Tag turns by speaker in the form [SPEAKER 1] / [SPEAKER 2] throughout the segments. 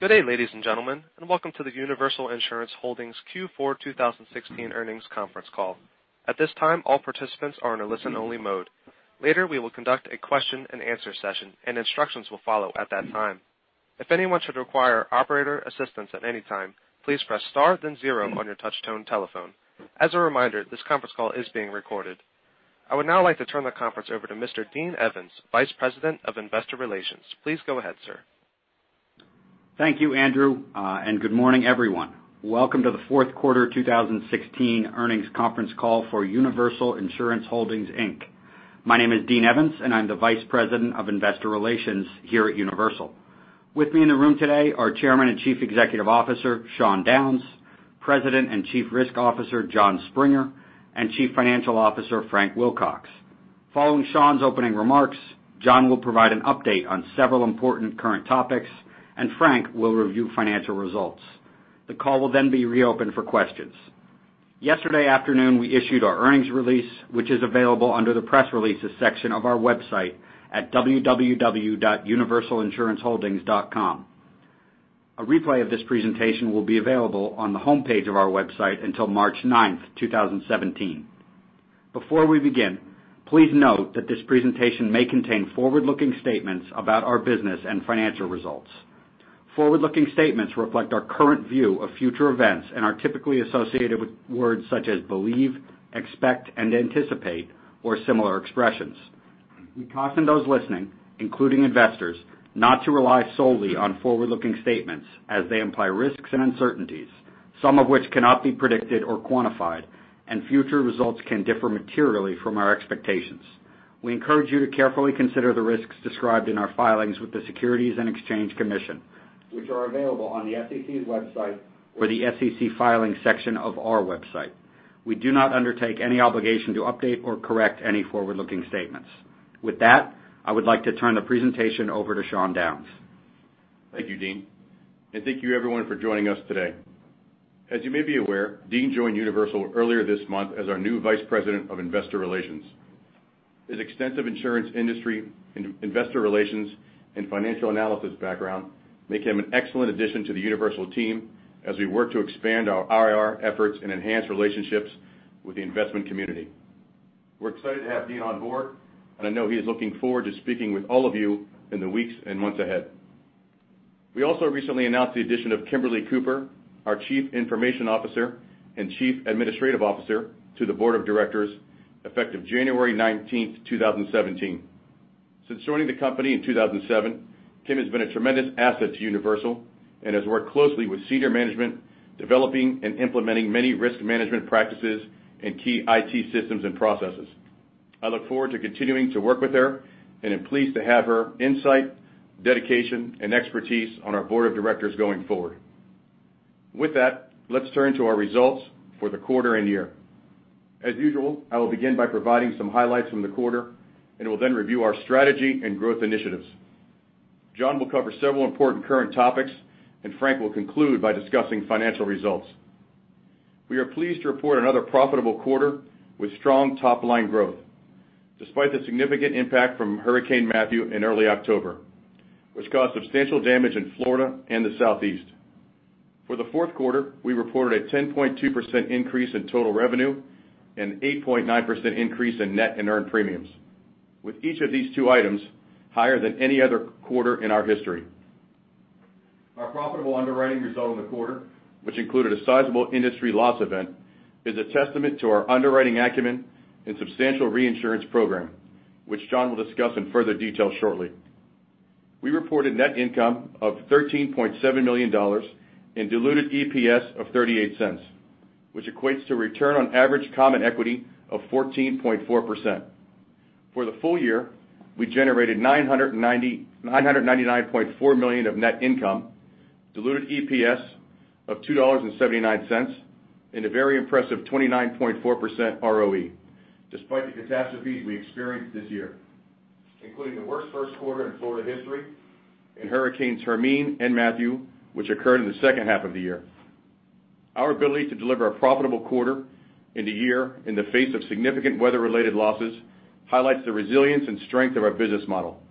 [SPEAKER 1] Good day, ladies and gentlemen, welcome to the Universal Insurance Holdings Q4 2016 earnings conference call. At this time, all participants are in a listen-only mode. Later, we will conduct a question and answer session, instructions will follow at that time. If anyone should require operator assistance at any time, please press star then zero on your touch-tone telephone. As a reminder, this conference call is being recorded. I would now like to turn the conference over to Mr. Dean Evans, Vice President of Investor Relations. Please go ahead, sir.
[SPEAKER 2] Thank you, Andrew, good morning, everyone. Welcome to the fourth quarter 2016 earnings conference call for Universal Insurance Holdings, Inc. My name is Dean Evans, I'm the Vice President of Investor Relations here at Universal. With me in the room today are Chairman and Chief Executive Officer, Sean Downes, President and Chief Risk Officer, Jon Springer, Chief Financial Officer, Frank Wilcox. Following Sean's opening remarks, Jon will provide an update on several important current topics, Frank will review financial results. The call will be reopened for questions. Yesterday afternoon, we issued our earnings release, which is available under the Press Releases section of our website at www.universalinsuranceholdings.com. A replay of this presentation will be available on the homepage of our website until March ninth, 2017. Before we begin, please note that this presentation may contain forward-looking statements about our business and financial results. Forward-looking statements reflect our current view of future events, are typically associated with words such as believe, expect, anticipate, or similar expressions. We caution those listening, including investors, not to rely solely on forward-looking statements as they imply risks and uncertainties, some of which cannot be predicted or quantified, future results can differ materially from our expectations. We encourage you to carefully consider the risks described in our filings with the Securities and Exchange Commission, which are available on the SEC's website or the SEC Filings section of our website. We do not undertake any obligation to update or correct any forward-looking statements. With that, I would like to turn the presentation over to Sean Downes.
[SPEAKER 3] Thank you, Dean. Thank you everyone for joining us today. As you may be aware, Dean joined Universal earlier this month as our new Vice President of Investor Relations. His extensive insurance industry, investor relations, financial analysis background make him an an excellent addition to the Universal team as we work to expand our IR efforts, enhance relationships with the investment community. We're excited to have Dean on board, I know he is looking forward to speaking with all of you in the weeks and months ahead. We also recently announced the addition of Kimberly Cooper, our Chief Information Officer and Chief Administrative Officer, to the Board of Directors effective January 19th, 2017. Since joining the company in 2007, Kim has been a tremendous asset to Universal, has worked closely with senior management, developing and implementing many risk management practices, key IT systems and processes. I look forward to continuing to work with her, and am pleased to have her insight, dedication, and expertise on our board of directors going forward. With that, let's turn to our results for the quarter and year. As usual, I will begin by providing some highlights from the quarter and will then review our strategy and growth initiatives. Jon will cover several important current topics, and Frank will conclude by discussing financial results. We are pleased to report another profitable quarter with strong top-line growth despite the significant impact from Hurricane Matthew in early October, which caused substantial damage in Florida and the Southeast. For the fourth quarter, we reported a 10.2% increase in total revenue and 8.9% increase in net and earned premiums, with each of these two items higher than any other quarter in our history. Our profitable underwriting result in the quarter, which included a sizable industry loss event, is a testament to our underwriting acumen and substantial reinsurance program, which Jon will discuss in further detail shortly. We reported net income of $13.7 million in diluted EPS of $0.38, which equates to return on average common equity of 14.4%. For the full year, we generated $999.4 million of net income, diluted EPS of $2.79, and a very impressive 29.4% ROE, despite the catastrophes we experienced this year, including the worst first quarter in Florida history and Hurricanes Hermine and Matthew, which occurred in the second half of the year. Our ability to deliver a profitable quarter in the year in the face of significant weather-related losses highlights the resilience and strength of our business model.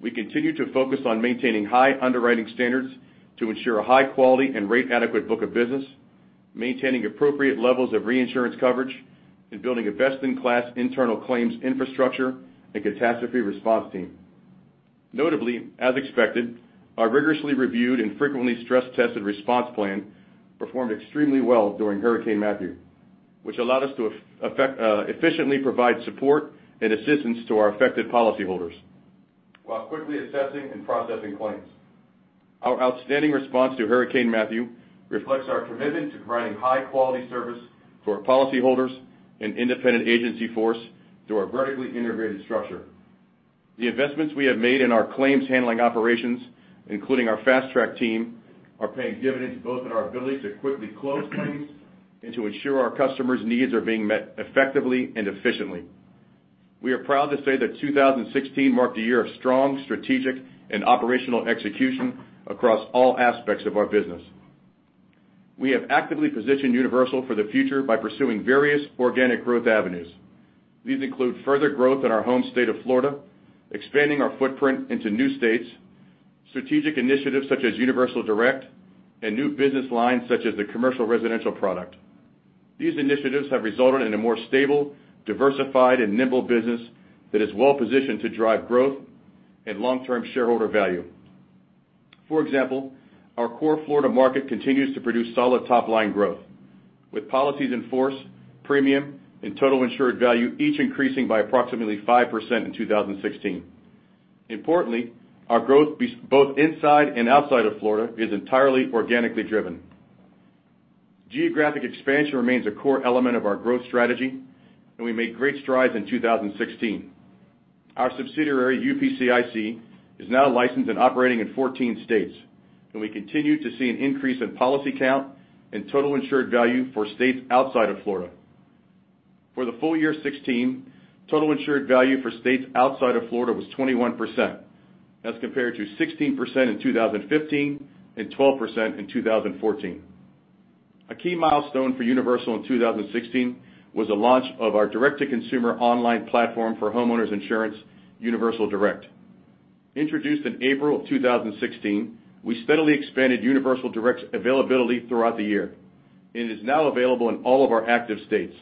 [SPEAKER 3] We continue to focus on maintaining high underwriting standards to ensure a high quality and rate-adequate book of business, maintaining appropriate levels of reinsurance coverage, and building a best-in-class internal claims infrastructure and catastrophe response team. Notably, as expected, our rigorously reviewed and frequently stress-tested response plan performed extremely well during Hurricane Matthew, which allowed us to efficiently provide support and assistance to our affected policyholders while quickly assessing and processing claims. Our outstanding response to Hurricane Matthew reflects our commitment to providing high-quality service for our policyholders and independent agency force through our vertically integrated structure. The investments we have made in our claims handling operations, including our fast-track team, are paying dividends both in our ability to quickly close claims and to ensure our customers' needs are being met effectively and efficiently. We are proud to say that 2016 marked a year of strong strategic and operational execution across all aspects of our business. We have actively positioned Universal for the future by pursuing various organic growth avenues. These include further growth in our home state of Florida, expanding our footprint into new states, strategic initiatives such as Universal Direct, and new business lines such as the commercial residential product. These initiatives have resulted in a more stable, diversified, and nimble business that is well-positioned to drive growth and long-term shareholder value. For example, our core Florida market continues to produce solid top-line growth, with policies in force, premium, and total insured value each increasing by approximately 5% in 2016. Importantly, our growth both inside and outside of Florida is entirely organically driven. Geographic expansion remains a core element of our growth strategy. We made great strides in 2016. Our subsidiary, UPCIC, is now licensed and operating in 14 states, and we continue to see an increase in policy count and total insured value for states outside of Florida. For the full year 2016, total insured value for states outside of Florida was 21%. That is compared to 16% in 2015 and 12% in 2014. A key milestone for Universal in 2016 was the launch of our direct-to-consumer online platform for homeowners insurance, Universal Direct. Introduced in April of 2016, we steadily expanded Universal Direct's availability throughout the year. It is now available in all of our active states.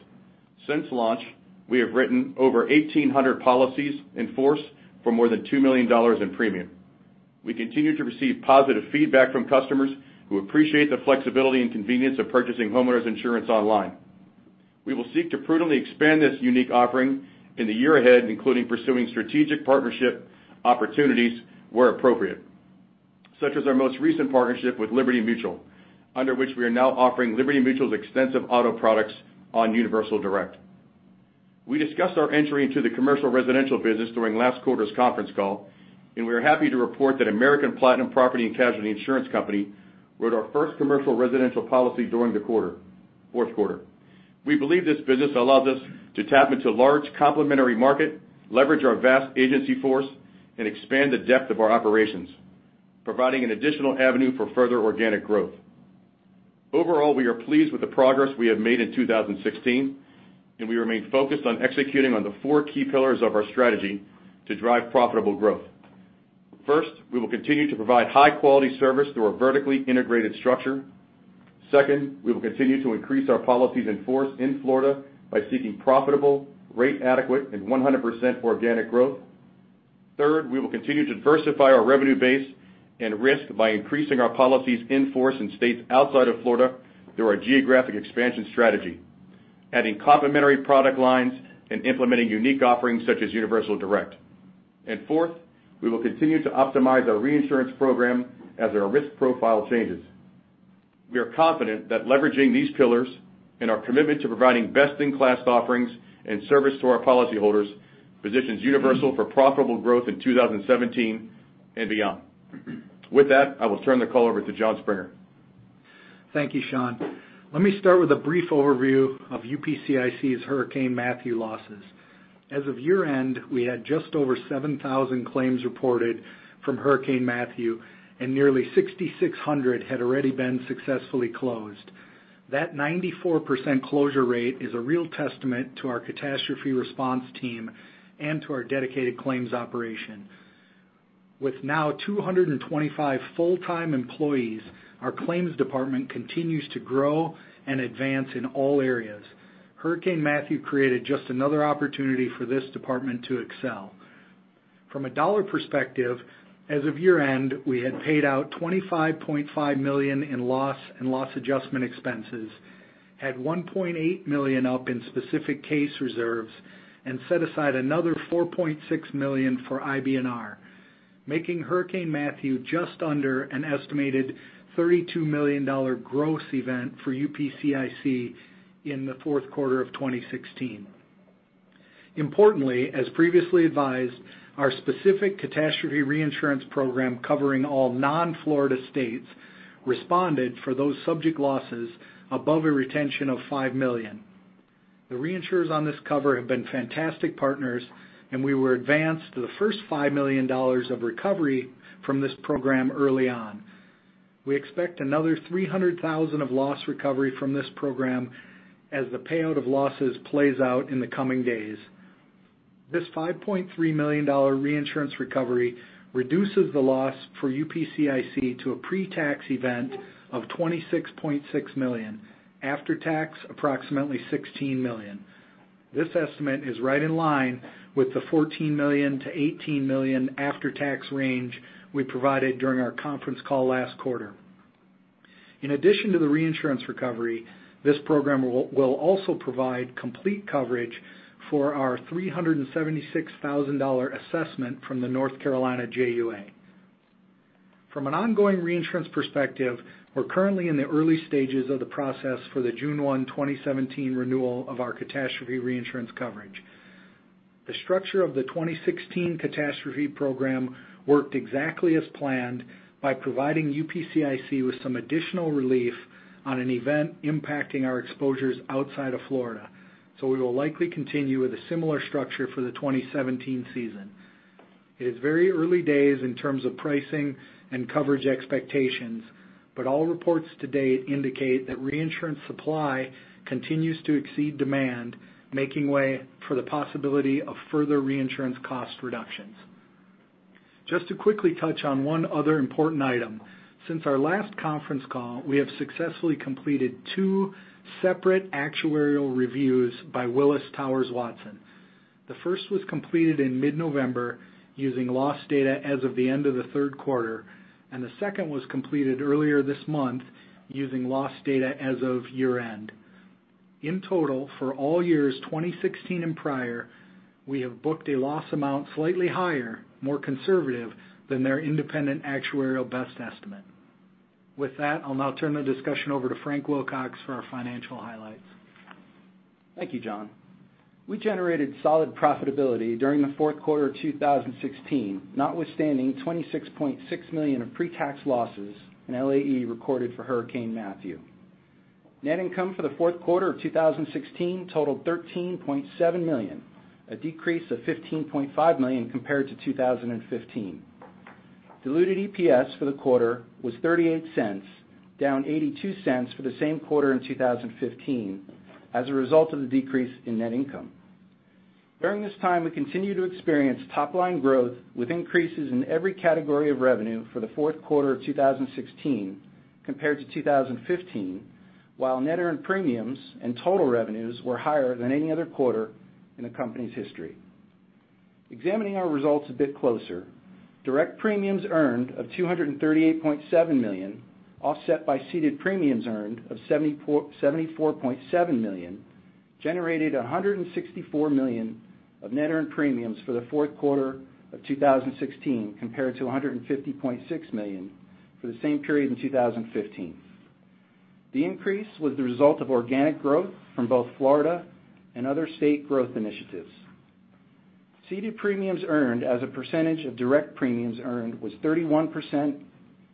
[SPEAKER 3] Since launch, we have written over 1,800 policies in force for more than $2 million in premium. We continue to receive positive feedback from customers who appreciate the flexibility and convenience of purchasing homeowners insurance online. We will seek to prudently expand this unique offering in the year ahead, including pursuing strategic partnership opportunities where appropriate, such as our most recent partnership with Liberty Mutual, under which we are now offering Liberty Mutual's extensive auto products on Universal Direct. We discussed our entry into the commercial residential business during last quarter's conference call, and we are happy to report that American Platinum Property and Casualty Insurance Company wrote our first commercial residential policy during fourth quarter. We believe this business allows us to tap into a large complementary market, leverage our vast agency force, and expand the depth of our operations, providing an additional avenue for further organic growth. Overall, we are pleased with the progress we have made in 2016, and we remain focused on executing on the four key pillars of our strategy to drive profitable growth. First, we will continue to provide high-quality service through our vertically integrated structure. Second, we will continue to increase our policies in force in Florida by seeking profitable, rate-adequate, and 100% organic growth. Third, we will continue to diversify our revenue base and risk by increasing our policies in force in states outside of Florida through our geographic expansion strategy, adding complementary product lines, and implementing unique offerings such as Universal Direct. Fourth, we will continue to optimize our reinsurance program as our risk profile changes. We are confident that leveraging these pillars and our commitment to providing best-in-class offerings and service to our policyholders positions Universal for profitable growth in 2017 and beyond. With that, I will turn the call over to Jon Springer.
[SPEAKER 4] Thank you, Sean. Let me start with a brief overview of UPCIC's Hurricane Matthew losses. As of year-end, we had just over 7,000 claims reported from Hurricane Matthew, and nearly 6,600 had already been successfully closed. That 94% closure rate is a real testament to our catastrophe response team and to our dedicated claims operation. With now 225 full-time employees, our claims department continues to grow and advance in all areas. Hurricane Matthew created just another opportunity for this department to excel. From a dollar perspective, as of year-end, we had paid out $25.5 million in loss and loss adjustment expenses, had $1.8 million up in specific case reserves, and set aside another $4.6 million for IBNR, making Hurricane Matthew just under an estimated $32 million gross event for UPCIC in the fourth quarter of 2016. Importantly, as previously advised, our specific catastrophe reinsurance program covering all non-Florida states responded for those subject losses above a retention of $5 million. The reinsurers on this cover have been fantastic partners, and we were advanced the first $5 million of recovery from this program early on. We expect another $300,000 of loss recovery from this program as the payout of losses plays out in the coming days. This $5.3 million reinsurance recovery reduces the loss for UPCIC to a pre-tax event of $26.6 million. After tax, approximately $16 million. This estimate is right in line with the $14 million-$18 million after-tax range we provided during our conference call last quarter. In addition to the reinsurance recovery, this program will also provide complete coverage for our $376,000 assessment from the North Carolina JUA. From an ongoing reinsurance perspective, we're currently in the early stages of the process for the June 1, 2017, renewal of our catastrophe reinsurance coverage. The structure of the 2016 catastrophe program worked exactly as planned by providing UPCIC with some additional relief on an event impacting our exposures outside of Florida. We will likely continue with a similar structure for the 2017 season. It is very early days in terms of pricing and coverage expectations, but all reports to date indicate that reinsurance supply continues to exceed demand, making way for the possibility of further reinsurance cost reductions. Just to quickly touch on one other important item. Since our last conference call, we have successfully completed two separate actuarial reviews by Willis Towers Watson. The first was completed in mid-November using loss data as of the end of the third quarter. The second was completed earlier this month using loss data as of year-end. In total, for all years 2016 and prior, we have booked a loss amount slightly higher, more conservative than their independent actuarial best estimate. With that, I'll now turn the discussion over to Frank Wilcox for our financial highlights.
[SPEAKER 5] Thank you, Jon. We generated solid profitability during the fourth quarter of 2016, notwithstanding $26.6 million of pre-tax losses and LAE recorded for Hurricane Matthew. Net income for the fourth quarter of 2016 totaled $13.7 million, a decrease of $15.5 million compared to 2015. Diluted EPS for the quarter was $0.38, down $0.82 for the same quarter in 2015 as a result of the decrease in net income. During this time, we continue to experience top-line growth with increases in every category of revenue for the fourth quarter of 2016 compared to 2015, while net earned premiums and total revenues were higher than any other quarter in the company's history. Examining our results a bit closer, direct premiums earned of $238.7 million, offset by ceded premiums earned of $74.7 million, generated $164 million of net earned premiums for the fourth quarter of 2016, compared to $150.6 million for the same period in 2015. The increase was the result of organic growth from both Florida and other state growth initiatives. Ceded premiums earned as a percentage of direct premiums earned was 31%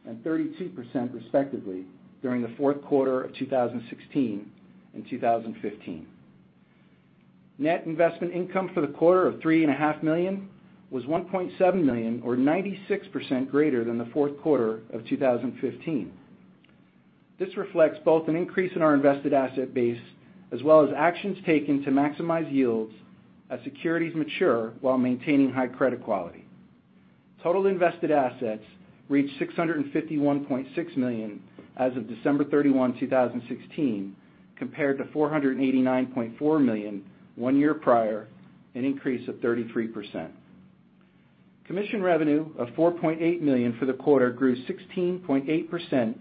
[SPEAKER 5] and 32%, respectively, during the fourth quarter of 2016 and 2015. Net investment income for the quarter of three and a half million was $1.7 million, or 96% greater than the fourth quarter of 2015. This reflects both an increase in our invested asset base as well as actions taken to maximize yields as securities mature while maintaining high credit quality. Total invested assets reached $651.6 million as of December 31, 2016, compared to $489.4 million one year prior, an increase of 33%. Commission revenue of $4.8 million for the quarter grew 16.8%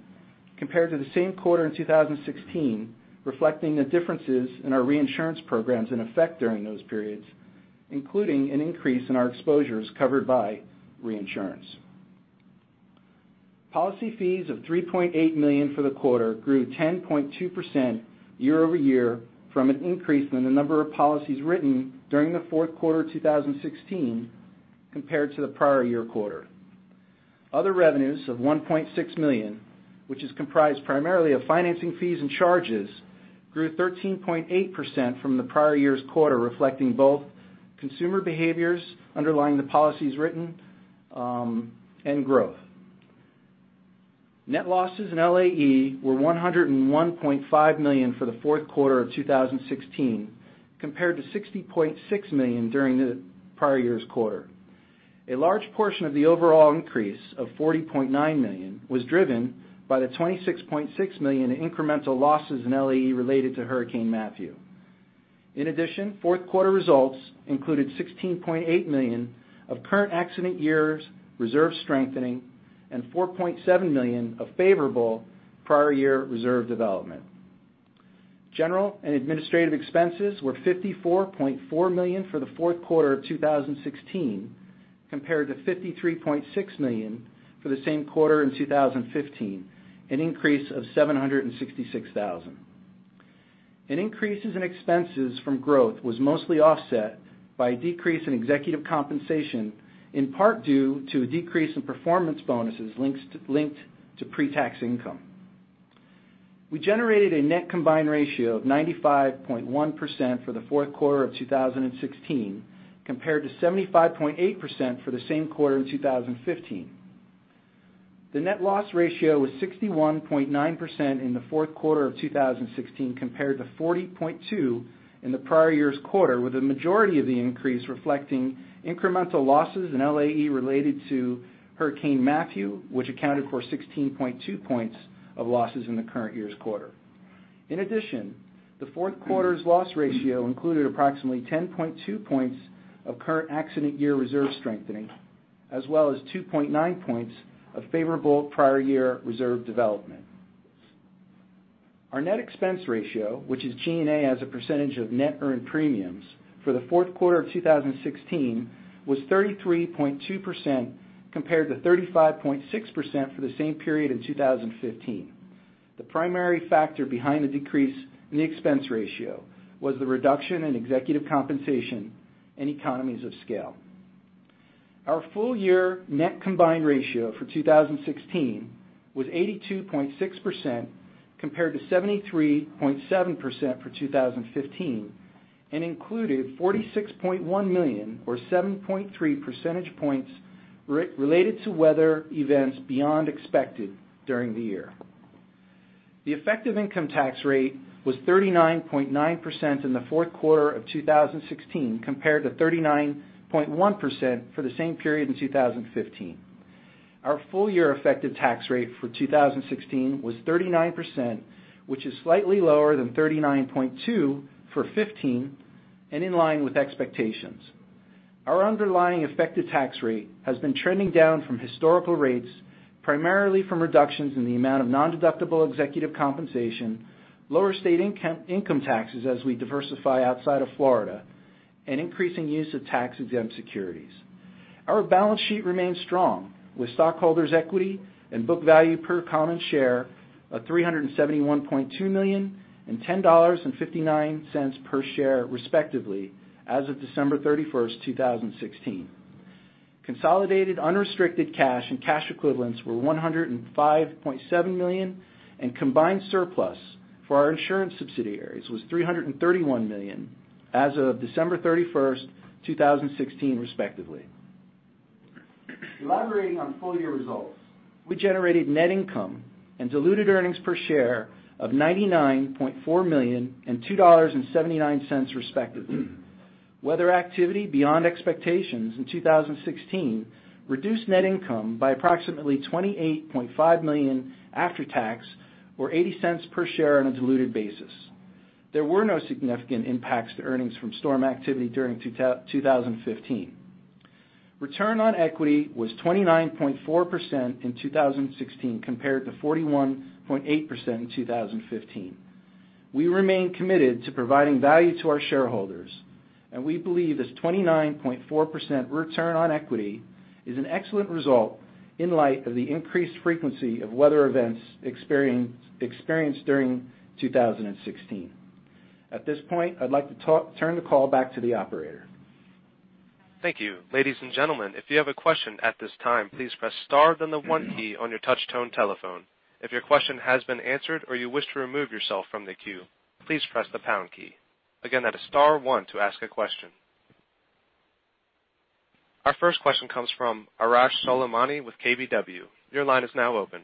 [SPEAKER 5] compared to the same quarter in 2016, reflecting the differences in our reinsurance programs in effect during those periods, including an increase in our exposures covered by reinsurance. Policy fees of $3.8 million for the quarter grew 10.2% year-over-year from an increase in the number of policies written during the fourth quarter 2016 compared to the prior year quarter. Other revenues of $1.6 million, which is comprised primarily of financing fees and charges, grew 13.8% from the prior year's quarter, reflecting both consumer behaviors underlying the policies written and growth. Net losses in LAE were $101.5 million for the fourth quarter of 2016, compared to $60.6 million during the prior year's quarter. A large portion of the overall increase of $40.9 million was driven by the $26.6 million in incremental losses in LAE related to Hurricane Matthew. In addition, fourth quarter results included $16.8 million of current accident years reserve strengthening and $4.7 million of favorable prior year reserve development. General and administrative expenses were $54.4 million for the fourth quarter of 2016, compared to $53.6 million for the same quarter in 2015, an increase of $766,000. An increases in expenses from growth was mostly offset by a decrease in executive compensation, in part due to a decrease in performance bonuses linked to pre-tax income. We generated a net combined ratio of 95.1% for the fourth quarter of 2016, compared to 75.8% for the same quarter in 2015. The net loss ratio was 61.9% in the fourth quarter of 2016, compared to 40.2% in the prior year's quarter, with the majority of the increase reflecting incremental losses in LAE related to Hurricane Matthew, which accounted for 16.2 points of losses in the current year's quarter. In addition, the fourth quarter's loss ratio included approximately 10.2 points of current accident year reserve strengthening, as well as 2.9 points of favorable prior year reserve development. Our net expense ratio, which is G&A as a percentage of net earned premiums, for the fourth quarter of 2016 was 33.2%, compared to 35.6% for the same period in 2015. The primary factor behind the decrease in the expense ratio was the reduction in executive compensation and economies of scale. Our full year net combined ratio for 2016 was 82.6% compared to 73.7% for 2015, and included $46.1 million or 7.3 percentage points related to weather events beyond expected during the year. The effective income tax rate was 39.9% in the fourth quarter of 2016 compared to 39.1% for the same period in 2015. Our full year effective tax rate for 2016 was 39%, which is slightly lower than 39.2% for 2015 and in line with expectations. Our underlying effective tax rate has been trending down from historical rates, primarily from reductions in the amount of non-deductible executive compensation, lower state income taxes as we diversify outside of Florida, and increasing use of tax-exempt securities. Our balance sheet remains strong, with stockholders' equity and book value per common share of $371.2 million and $10.59 per share, respectively, as of December 31, 2016. Consolidated unrestricted cash and cash equivalents were $105.7 million, and combined surplus for our insurance subsidiaries was $331 million as of December 31, 2016, respectively. Elaborating on full year results, we generated net income and diluted earnings per share of $99.4 million and $2.79, respectively. Weather activity beyond expectations in 2016 reduced net income by approximately $28.5 million after tax, or $0.80 per share on a diluted basis. There were no significant impacts to earnings from storm activity during 2015. Return on equity was 29.4% in 2016 compared to 41.8% in 2015. We remain committed to providing value to our shareholders, and we believe this 29.4% return on equity is an excellent result in light of the increased frequency of weather events experienced during 2016. At this point, I'd like to turn the call back to the operator.
[SPEAKER 1] Thank you. Ladies and gentlemen, if you have a question at this time, please press star then the 1 key on your touch tone telephone. If your question has been answered or you wish to remove yourself from the queue, please press the pound key. Again, that is star 1 to ask a question. Our first question comes from Arash Soleimani with KBW. Your line is now open.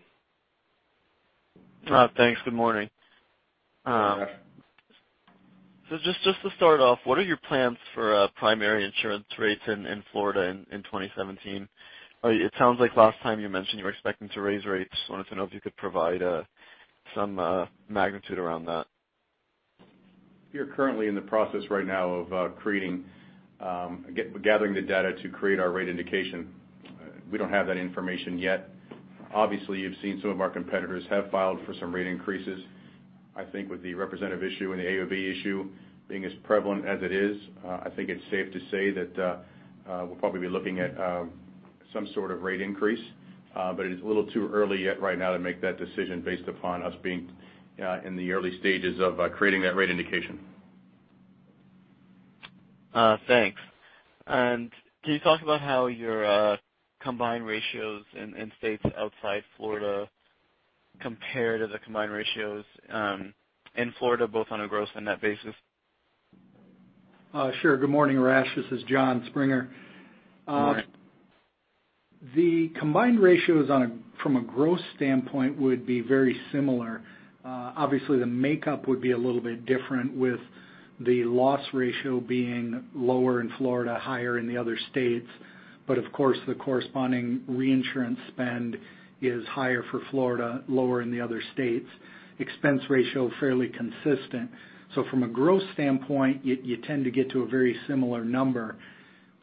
[SPEAKER 6] Thanks. Good morning.
[SPEAKER 5] Good morning.
[SPEAKER 6] Just to start off, what are your plans for primary insurance rates in Florida in 2017? It sounds like last time you mentioned you were expecting to raise rates. Wanted to know if you could provide some magnitude around that.
[SPEAKER 5] We are currently in the process right now of gathering the data to create our rate indication. We don't have that information yet. Obviously, you've seen some of our competitors have filed for some rate increases. I think with the representative issue and the AOB issue being as prevalent as it is, I think it's safe to say that we'll probably be looking at some sort of rate increase. It is a little too early yet right now to make that decision based upon us being in the early stages of creating that rate indication.
[SPEAKER 6] Thanks. Can you talk about how your combined ratios in states outside Florida compare to the combined ratios in Florida, both on a gross and net basis?
[SPEAKER 4] Sure. Good morning, Arash, this is Jon Springer.
[SPEAKER 6] Good morning.
[SPEAKER 4] The combined ratios from a gross standpoint would be very similar. Obviously, the makeup would be a little bit different, with the loss ratio being lower in Florida, higher in the other states. Of course, the corresponding reinsurance spend is higher for Florida, lower in the other states. Expense ratio, fairly consistent. From a gross standpoint, you tend to get to a very similar number.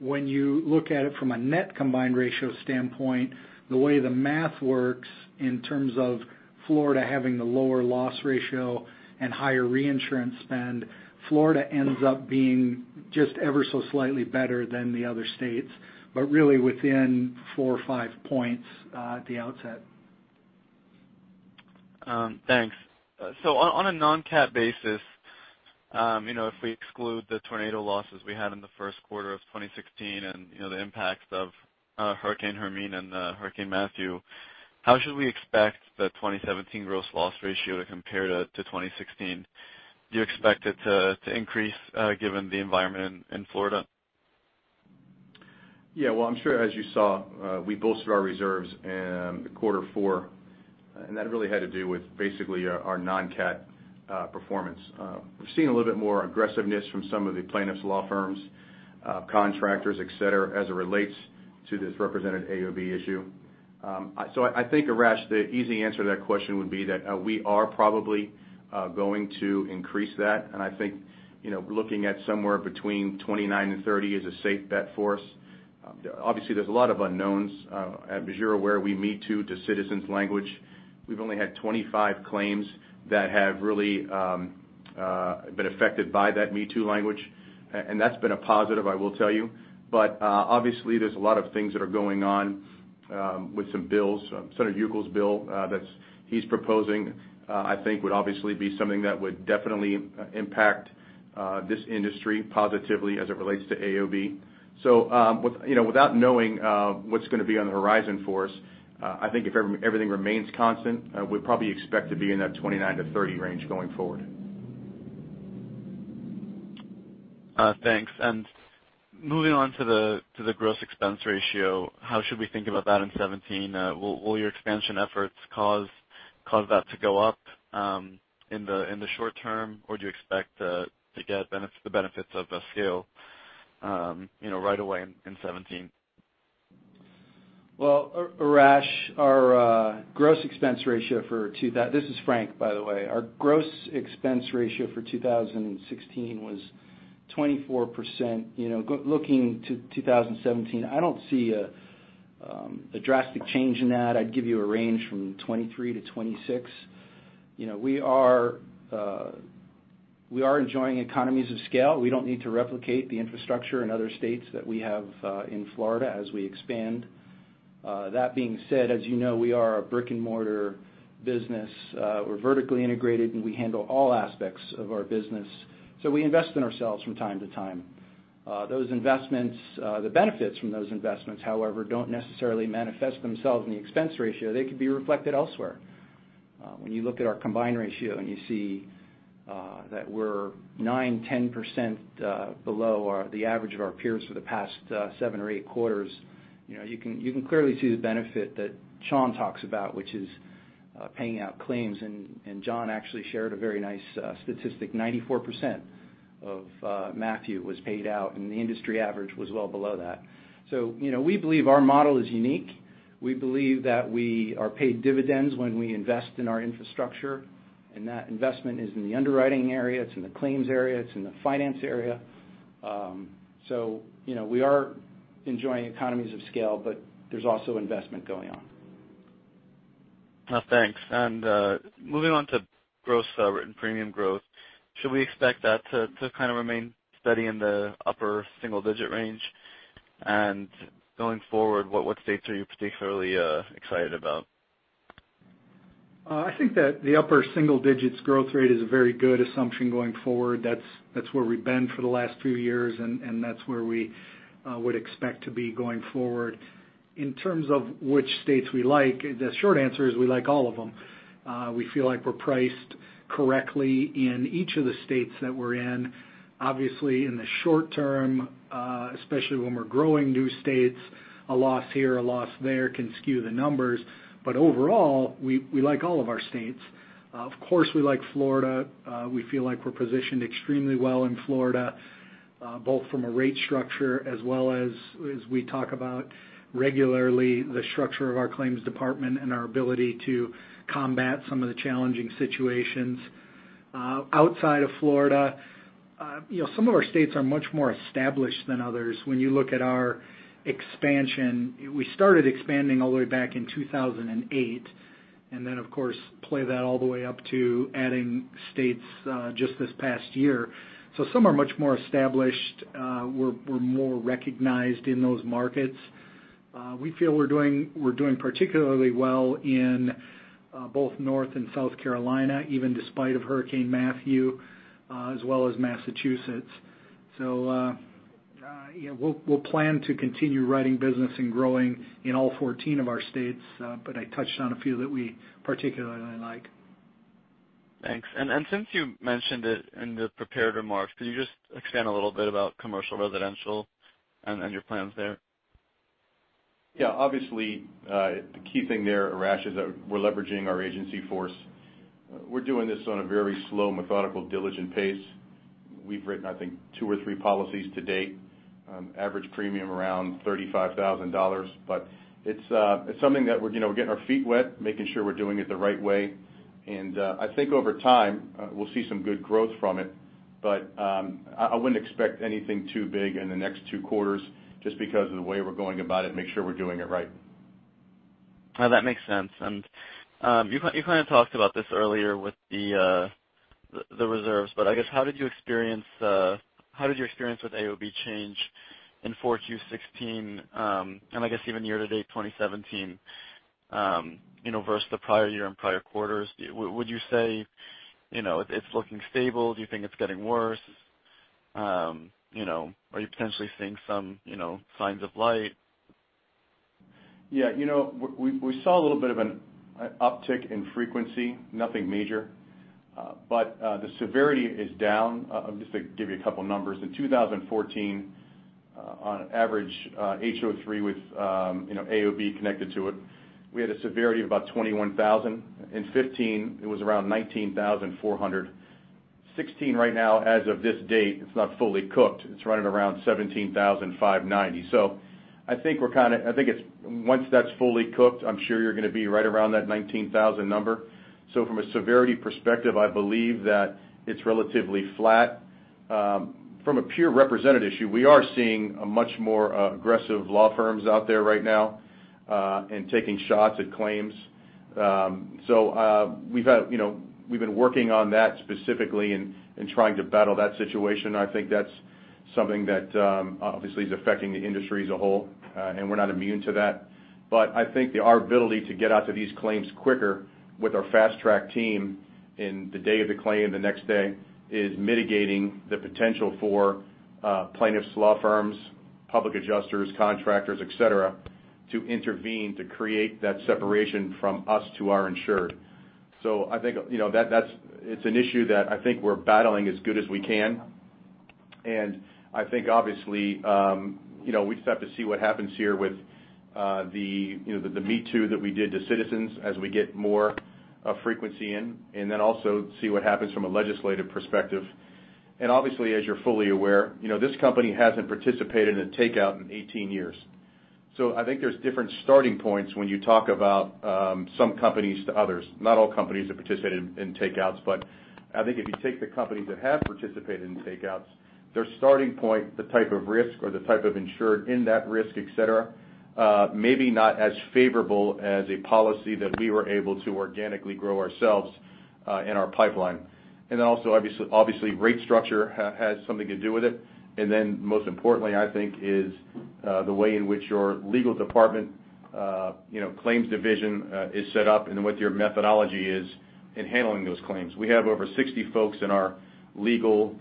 [SPEAKER 4] When you look at it from a net combined ratio standpoint, the way the math works in terms of Florida having the lower loss ratio and higher reinsurance spend, Florida ends up being just ever so slightly better than the other states, but really within four or five points at the outset.
[SPEAKER 6] Thanks. On a non-CAT basis, if we exclude the tornado losses we had in the first quarter of 2016 and the impact of Hurricane Hermine and Hurricane Matthew, how should we expect the 2017 gross loss ratio to compare to 2016? Do you expect it to increase given the environment in Florida?
[SPEAKER 3] Well, I'm sure, as you saw, we bolstered our reserves in quarter 4, and that really had to do with basically our non-CAT performance. We're seeing a little bit more aggressiveness from some of the plaintiffs' law firms, contractors, et cetera, as it relates to this represented AOB issue. I think, Arash, the easy answer to that question would be that we are probably going to increase that, and I think looking at somewhere between 29% and 30% is a safe bet for us. Obviously, there's a lot of unknowns. At Bazura, where we Me Too to Citizens language, we've only had 25 claims that have really been affected by that Me Too language, and that's been a positive, I will tell you. Obviously there's a lot of things that are going on with some bills.
[SPEAKER 5] Senator Anitere Flores's bill that he's proposing, I think would obviously be something that would definitely impact this industry positively as it relates to AOB. Without knowing what's going to be on the horizon for us, I think if everything remains constant, we'd probably expect to be in that 29%-30% range going forward.
[SPEAKER 6] Thanks. Moving on to the gross expense ratio, how should we think about that in 2017? Will your expansion efforts cause that to go up in the short term, or do you expect to get the benefits of scale right away in 2017?
[SPEAKER 5] Well, Arash, This is Frank, by the way. Our gross expense ratio for 2016 was 24%. Looking to 2017, I don't see a drastic change in that. I'd give you a range from 23% to 26%. We are enjoying economies of scale. We don't need to replicate the infrastructure in other states that we have in Florida as we expand. That being said, as you know, we are a brick and mortar business. We're vertically integrated, and we handle all aspects of our business. We invest in ourselves from time to time. The benefits from those investments, however, don't necessarily manifest themselves in the expense ratio. They could be reflected elsewhere. When you look at our combined ratio and you see that we're 9%, 10% below the average of our peers for the past seven or eight quarters, you can clearly see the benefit that Sean talks about, which is paying out claims. Jon actually shared a very nice statistic, 94% of Matthew was paid out, and the industry average was well below that. We believe our model is unique. We believe that we are paid dividends when we invest in our infrastructure, and that investment is in the underwriting area, it's in the claims area, it's in the finance area. We are enjoying economies of scale, but there's also investment going on.
[SPEAKER 6] Thanks. Moving on to gross written premium growth. Should we expect that to kind of remain steady in the upper single-digit range? Going forward, what states are you particularly excited about?
[SPEAKER 4] I think that the upper single digits growth rate is a very good assumption going forward. That's where we've been for the last few years, and that's where we would expect to be going forward. In terms of which states we like, the short answer is we like all of them. We feel like we're priced correctly in each of the states that we're in. Obviously, in the short term, especially when we're growing new states, a loss here, a loss there can skew the numbers. Overall, we like all of our states. Of course, we like Florida. We feel like we're positioned extremely well in Florida, both from a rate structure as well as we talk about regularly, the structure of our claims department and our ability to combat some of the challenging situations. Outside of Florida, some of our states are much more established than others.
[SPEAKER 5] When you look at our expansion, we started expanding all the way back in 2008, and then, of course, play that all the way up to adding states just this past year. Some are much more established. We're more recognized in those markets. We feel we're doing particularly well in both North and South Carolina, even despite of Hurricane Matthew, as well as Massachusetts. We'll plan to continue writing business and growing in all 14 of our states. I touched on a few that we particularly like.
[SPEAKER 6] Thanks. Since you mentioned it in the prepared remarks, can you just expand a little bit about commercial residential and your plans there?
[SPEAKER 3] Yeah. Obviously, the key thing there, Arash, is that we're leveraging our agency force. We're doing this on a very slow, methodical, diligent pace. We've written, I think, two or three policies to date. Average premium around $35,000. It's something that we're getting our feet wet, making sure we're doing it the right way. I think over time, we'll see some good growth from it. I wouldn't expect anything too big in the next two quarters just because of the way we're going about it, make sure we're doing it right.
[SPEAKER 6] That makes sense. You kind of talked about this earlier with the reserves, but I guess, how did your experience with AOB change in 4Q16, and I guess even year-to-date 2017, versus the prior year and prior quarters? Would you say it's looking stable? Do you think it's getting worse? Are you potentially seeing some signs of light?
[SPEAKER 3] Yeah. We saw a little bit of an uptick in frequency, nothing major. The severity is down. Just to give you a couple of numbers. In 2014, on average, HO-3 with AOB connected to it, we had a severity of about $21,000. In 2015, it was around $19,400. 2016 right now, as of this date, it's not fully cooked. It's right at around $17,590. I think once that's fully cooked, I'm sure you're going to be right around that $19,000 number. From a severity perspective, I believe that it's relatively flat. From a pure representative issue, we are seeing a much more aggressive law firms out there right now, and taking shots at claims. We've been working on that specifically and trying to battle that situation. I think that's something that obviously is affecting the industry as a whole, and we're not immune to that. I think that our ability to get out to these claims quicker with our fast track team in the day of the claim, the next day, is mitigating the potential for plaintiffs' law firms, public adjusters, contractors, et cetera, to intervene to create that separation from us to our insured. I think it's an issue that I think we're battling as good as we can. I think obviously, we just have to see what happens here with the Me Too that we did to Citizens as we get more frequency in, obviously, as you're fully aware, this company hasn't participated in a takeout in 18 years. I think there's different starting points when you talk about some companies to others. Not all companies have participated in takeouts, I think if you take the companies that have participated in takeouts, their starting point, the type of risk or the type of insured in that risk, et cetera, maybe not as favorable as a policy that we were able to organically grow ourselves in our pipeline. Then also, obviously, rate structure has something to do with it. Then most importantly, I think is the way in which your legal department claims division is set up and what your methodology is in handling those claims. We have over 60 folks in our legal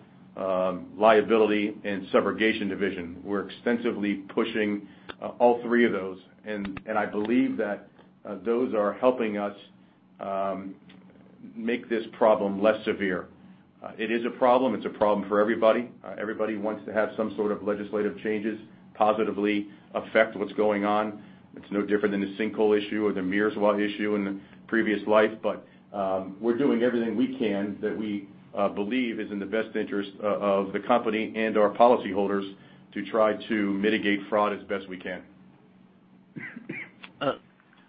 [SPEAKER 3] liability and subrogation division. We're extensively pushing all three of those, and I believe that those are helping us make this problem less severe. It is a problem. It's a problem for everybody. Everybody wants to have some sort of legislative changes positively affect what's going on. It's no different than the sinkhole issue or the Mears Wa issue in the previous life. We're doing everything we can that we believe is in the best interest of the company and our policyholders to try to mitigate fraud as best we can.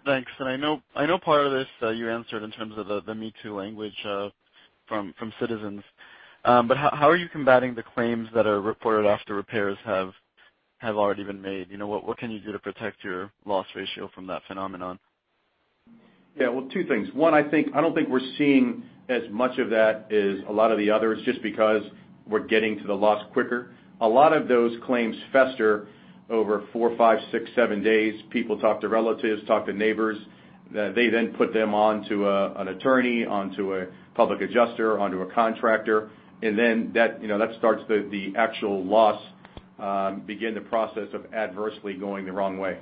[SPEAKER 6] Thanks. I know part of this you answered in terms of the Me Too language from Citizens, how are you combating the claims that are reported after repairs have already been made? What can you do to protect your loss ratio from that phenomenon?
[SPEAKER 3] Yeah. Well, two things. One, I don't think we're seeing as much of that as a lot of the others, just because we're getting to the loss quicker. A lot of those claims fester over four, five, six, seven days. People talk to relatives, talk to neighbors. They then put them onto an attorney, onto a public adjuster, onto a contractor, and then that starts the actual loss, begin the process of adversely going the wrong way.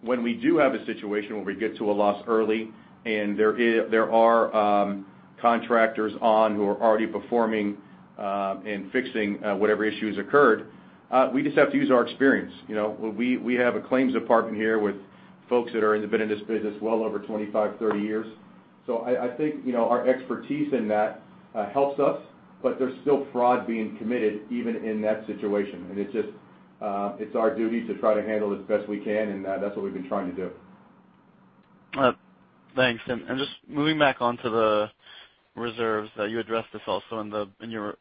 [SPEAKER 3] When we do have a situation where we get to a loss early and there are contractors on who are already performing and fixing whatever issues occurred, we just have to use our experience. We have a claims department here with folks that have been in this business well over 25, 30 years. I think our expertise in that helps us, but there's still fraud being committed even in that situation, and it's our duty to try to handle it as best we can, and that's what we've been trying to do.
[SPEAKER 6] Thanks. Just moving back onto the reserves, you addressed this also in your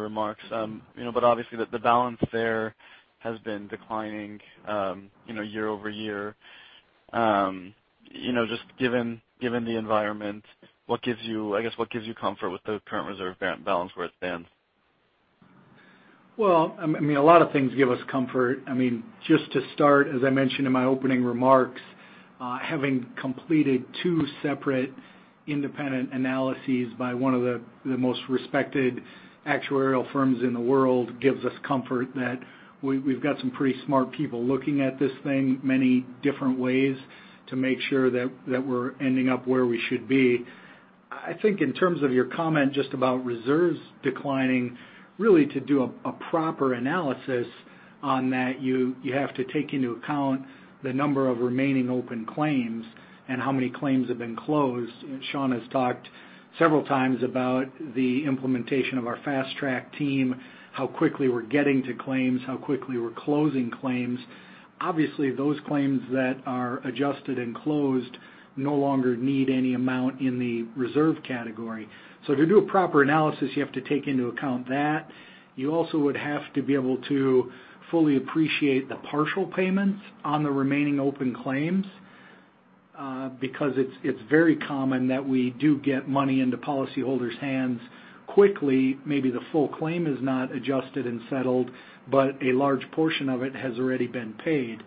[SPEAKER 6] remarks. Obviously the balance there has been declining year-over-year. Just given the environment, I guess what gives you comfort with the current reserve balance where it stands?
[SPEAKER 4] Well, a lot of things give us comfort. Just to start, as I mentioned in my opening remarks, having completed two separate independent analyses by one of the most respected actuarial firms in the world gives us comfort that we've got some pretty smart people looking at this thing many different ways to make sure that we're ending up where we should be. I think in terms of your comment just about reserves declining, really to do a proper analysis on that, you have to take into account the number of remaining open claims and how many claims have been closed. Sean has talked several times about the implementation of our fast track team, how quickly we're getting to claims, how quickly we're closing claims. Obviously, those claims that are adjusted and closed no longer need any amount in the reserve category. To do a proper analysis, you have to take into account that. You also would have to be able to fully appreciate the partial payments on the remaining open claims, because it's very common that we do get money into policyholders' hands quickly. Maybe the full claim is not adjusted and settled, but a large portion of it has already been paid.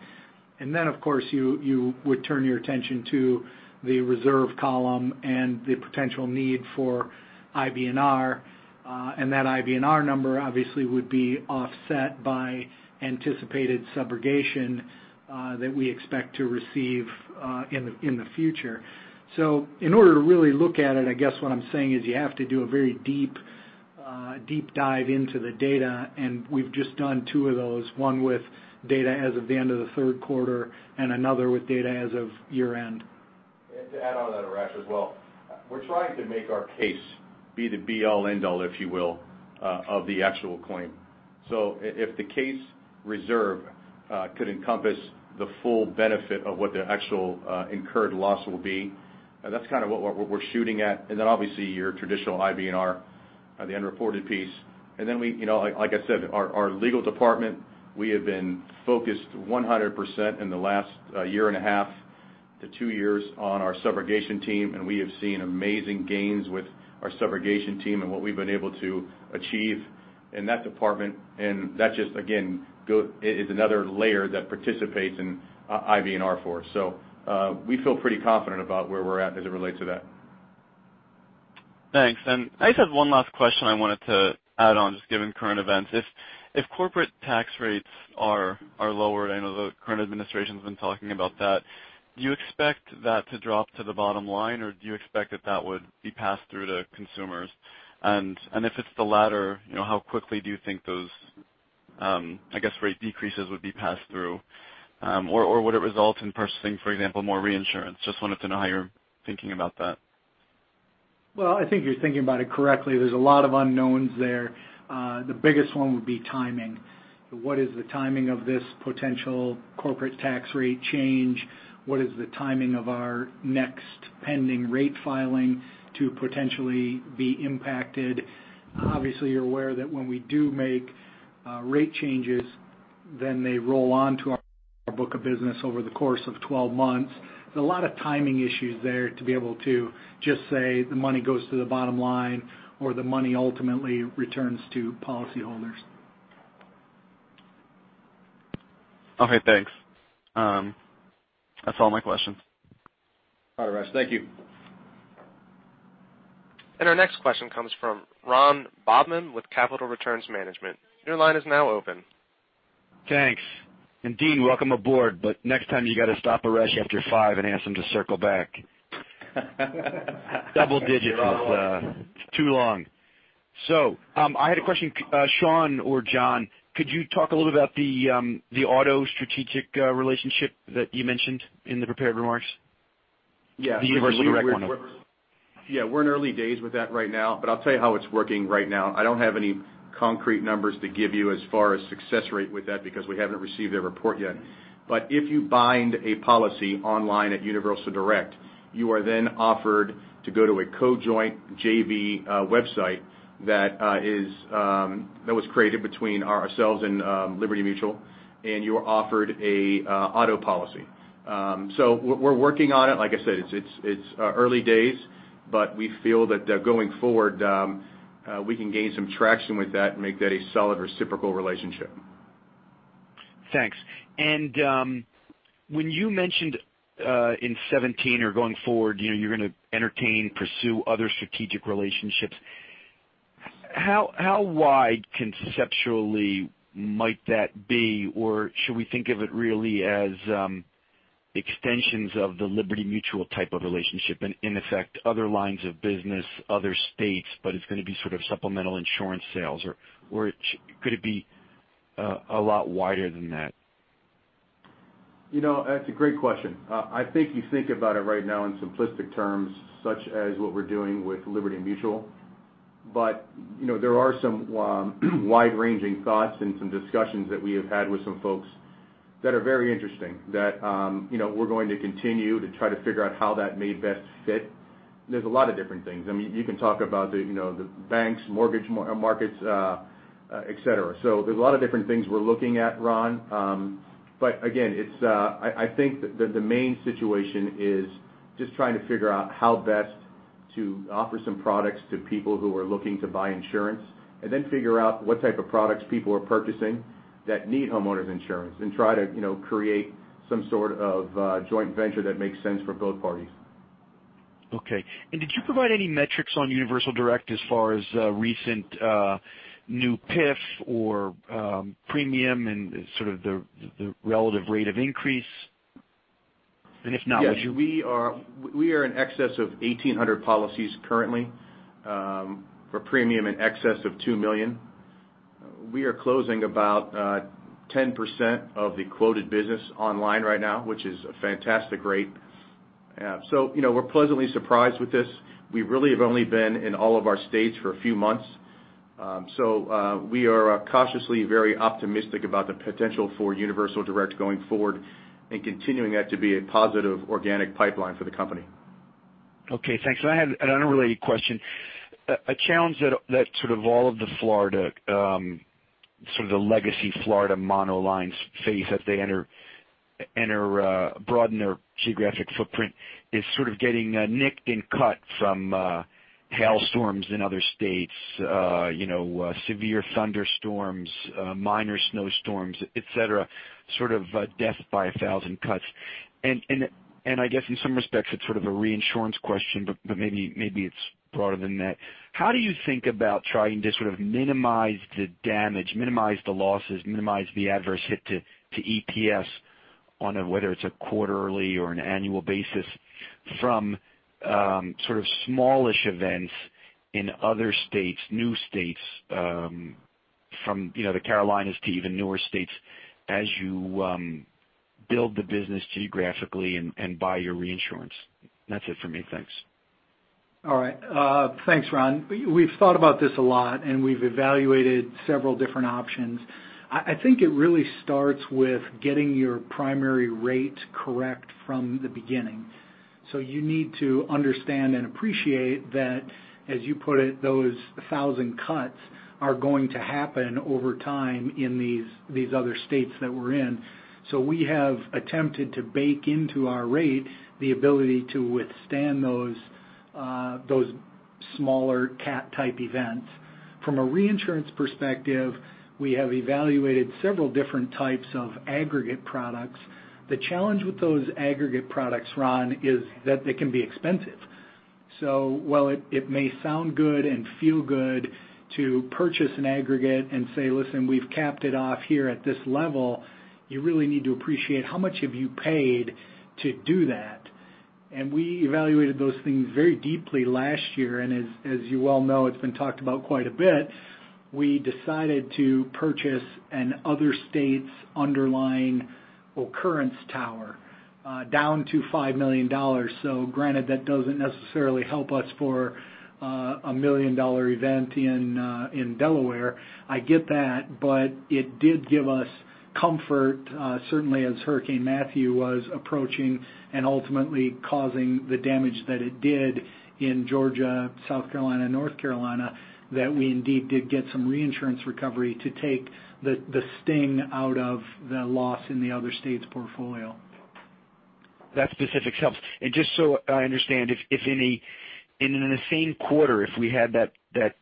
[SPEAKER 4] Then, of course, you would turn your attention to the reserve column and the potential need for IBNR. That IBNR number obviously would be offset by anticipated subrogation that we expect to receive in the future. In order to really look at it, I guess what I'm saying is you have to do a very deep dive into the data, and we've just done two of those, one with data as of the end of the third quarter and another with data as of year-end.
[SPEAKER 3] To add on to that, Arash, as well, we're trying to make our case be the be-all end-all, if you will, of the actual claim. If the case reserve could encompass the full benefit of what the actual incurred loss will be, that's kind of what we're shooting at, then obviously your traditional IBNR, the unreported piece. Then like I said, our legal department, we have been focused 100% in the last year and a half to two years on our subrogation team, and we have seen amazing gains with our subrogation team and what we've been able to achieve in that department. That just again, is another layer that participates in IBNR for us. We feel pretty confident about where we're at as it relates to that.
[SPEAKER 6] Thanks. I just have one last question I wanted to add on, just given current events. If corporate tax rates are lowered, I know the current administration's been talking about that, do you expect that to drop to the bottom line, or do you expect that that would be passed through to consumers? If it's the latter, how quickly do you think those rate decreases would be passed through? Would it result in purchasing, for example, more reinsurance? Just wanted to know how you're thinking about that.
[SPEAKER 4] Well, I think you're thinking about it correctly. There's a lot of unknowns there. The biggest one would be timing. What is the timing of this potential corporate tax rate change? What is the timing of our next pending rate filing to potentially be impacted? Obviously, you're aware that when we do make rate changes, then they roll on to our book of business over the course of 12 months. There's a lot of timing issues there to be able to just say the money goes to the bottom line, or the money ultimately returns to policyholders.
[SPEAKER 6] Okay, thanks. That's all my questions.
[SPEAKER 3] All right, Rush. Thank you.
[SPEAKER 1] Our next question comes from Ron Bobman with Capital Returns Management. Your line is now open.
[SPEAKER 7] Thanks. Dean, welcome aboard, but next time you got to stop a Rush after five and ask him to circle back.
[SPEAKER 3] You're on a roll.
[SPEAKER 7] It's too long. I had a question. Sean or John, could you talk a little about the auto strategic relationship that you mentioned in the prepared remarks?
[SPEAKER 3] Yeah.
[SPEAKER 7] The Universal Direct one.
[SPEAKER 3] We're in early days with that right now, but I'll tell you how it's working right now. I don't have any concrete numbers to give you as far as success rate with that, because we haven't received a report yet. If you bind a policy online at Universal Direct, you are then offered to go to a co-joint JV website that was created between ourselves and Liberty Mutual, and you are offered an auto policy. We're working on it. Like I said, it's early days, but we feel that going forward, we can gain some traction with that and make that a solid reciprocal relationship.
[SPEAKER 7] Thanks. When you mentioned in 2017 or going forward, you're going to entertain, pursue other strategic relationships, how wide conceptually might that be? Should we think of it really as extensions of the Liberty Mutual type of relationship and in effect, other lines of business, other states, but it's going to be sort of supplemental insurance sales, or could it be a lot wider than that?
[SPEAKER 3] That's a great question. I think you think about it right now in simplistic terms, such as what we're doing with Liberty Mutual. There are some wide-ranging thoughts and some discussions that we have had with some folks that are very interesting, that we're going to continue to try to figure out how that may best fit. There's a lot of different things. You can talk about the banks, mortgage markets, et cetera. There's a lot of different things we're looking at, Ron. I think that the main situation is just trying to figure out how best to offer some products to people who are looking to buy insurance, and then figure out what type of products people are purchasing that need homeowners insurance, and try to create some sort of joint venture that makes sense for both parties.
[SPEAKER 7] Okay. Did you provide any metrics on Universal Direct as far as recent new PIF or premium and sort of the relative rate of increase? If not, would you?
[SPEAKER 3] Yes, we are in excess of 1,800 policies currently, for premium in excess of $2 million. We are closing about 10% of the quoted business online right now, which is a fantastic rate. We're pleasantly surprised with this. We really have only been in all of our states for a few months. We are cautiously very optimistic about the potential for Universal Direct going forward and continuing that to be a positive organic pipeline for the company.
[SPEAKER 7] Okay, thanks. I had an unrelated question. A challenge that sort of all of the legacy Florida monolines face as they broaden their geographic footprint is sort of getting nicked and cut from hailstorms in other states, severe thunderstorms, minor snowstorms, et cetera, sort of death by a thousand cuts. I guess in some respects, it's sort of a reinsurance question, but maybe it's broader than that. How do you think about trying to sort of minimize the damage, minimize the losses, minimize the adverse hit to EPS on whether it's a quarterly or an annual basis from sort of smallish events in other states, new states, from the Carolinas to even newer states as you build the business geographically and buy your reinsurance? That's it for me. Thanks.
[SPEAKER 4] All right. Thanks, Ron. We've thought about this a lot, we've evaluated several different options. I think it really starts with getting your primary rate correct from the beginning. You need to understand and appreciate that, as you put it, those thousand cuts are going to happen over time in these other states that we're in. We have attempted to bake into our rate the ability to withstand those smaller CAT-type events. From a reinsurance perspective, we have evaluated several different types of aggregate products. The challenge with those aggregate products, Ron, is that they can be expensive. While it may sound good and feel good to purchase an aggregate and say, "Listen, we've capped it off here at this level," you really need to appreciate how much have you paid to do that. We evaluated those things very deeply last year. As you well know, it's been talked about quite a bit. We decided to purchase an other states underlying occurrence tower, down to $5 million. Granted, that doesn't necessarily help us for a million-dollar event in Delaware. I get that, but it did give us comfort, certainly as Hurricane Matthew was approaching and ultimately causing the damage that it did in Georgia, South Carolina, North Carolina, that we indeed did get some reinsurance recovery to take the sting out of the loss in the other states' portfolio.
[SPEAKER 7] That specific helps. Just so I understand, in the same quarter, if we had that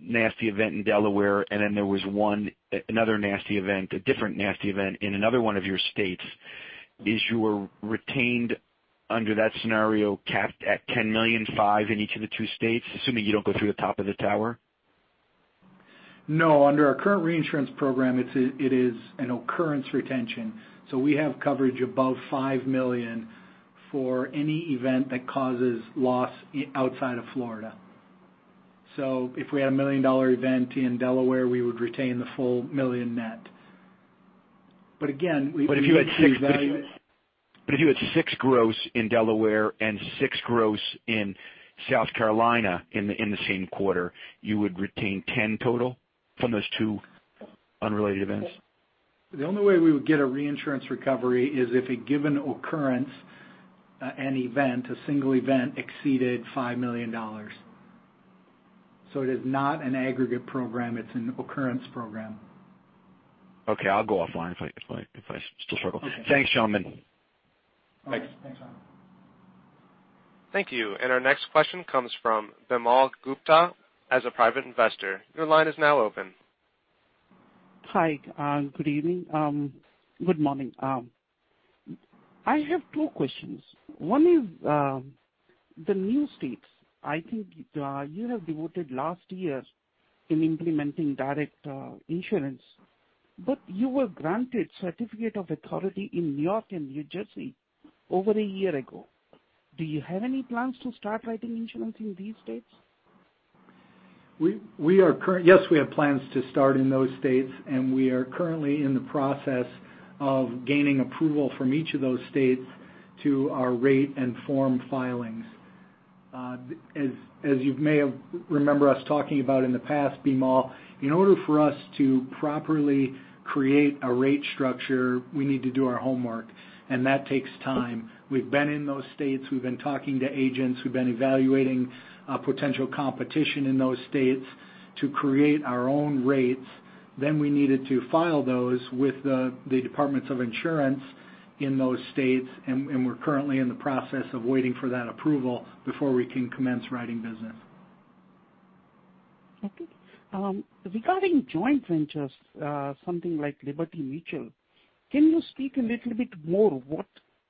[SPEAKER 7] nasty event in Delaware, and then there was another nasty event, a different nasty event in another one of your states, is your retained under that scenario capped at $10 million, $5 in each of the two states, assuming you don't go through the top of the tower?
[SPEAKER 4] No, under our current reinsurance program, it is an occurrence retention. We have coverage above $5 million for any event that causes loss outside of Florida. If we had a $1 million-dollar event in Delaware, we would retain the full $1 million net. Again, we need to evaluate.
[SPEAKER 7] If you had $6 gross in Delaware and $6 gross in South Carolina in the same quarter, you would retain $10 total from those two unrelated events?
[SPEAKER 4] The only way we would get a reinsurance recovery is if a given occurrence, an event, a single event, exceeded $5 million. It is not an aggregate program. It's an occurrence program.
[SPEAKER 7] Okay. I'll go offline if I still struggle.
[SPEAKER 4] Okay.
[SPEAKER 7] Thanks, gentlemen.
[SPEAKER 4] Thanks.
[SPEAKER 3] Thanks, Ron.
[SPEAKER 1] Thank you. Our next question comes from Bimal Gupta as a private investor. Your line is now open.
[SPEAKER 8] Hi. Good evening. Good morning. I have two questions. One is, the new states, I think you have devoted last year in implementing Universal Direct. You were granted certificate of authority in New York and New Jersey over a year ago. Do you have any plans to start writing insurance in these states?
[SPEAKER 4] Yes, we have plans to start in those states. We are currently in the process of gaining approval from each of those states to our rate and form filings. As you may remember us talking about in the past, Bimal, in order for us to properly create a rate structure, we need to do our homework, and that takes time. We've been in those states, we've been talking to agents, we've been evaluating potential competition in those states to create our own rates. We needed to file those with the departments of insurance in those states. We're currently in the process of waiting for that approval before we can commence writing business.
[SPEAKER 8] Okay. Regarding joint ventures, something like Liberty Mutual, can you speak a little bit more what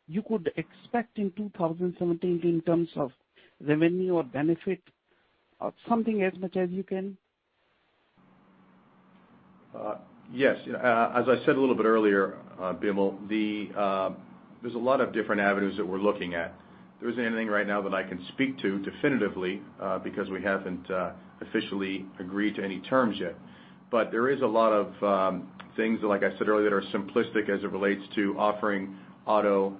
[SPEAKER 8] you could expect in 2017 in terms of revenue or benefit? Something as much as you can.
[SPEAKER 3] Yes. As I said a little bit earlier, Bimal, there's a lot of different avenues that we're looking at. There isn't anything right now that I can speak to definitively, because we haven't officially agreed to any terms yet. There is a lot of things, like I said earlier, that are simplistic as it relates to offering auto,